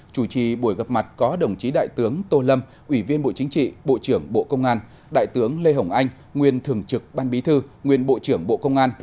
chủ trì buổi gặp mặt có đồng chí đại tướng tô lâm ủy viên bộ chính trị bộ trưởng bộ công an đại tướng lê hồng anh nguyên thường trực ban bí thư nguyên bộ trưởng bộ công an